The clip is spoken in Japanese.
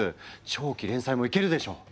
長期連載もいけるでしょう？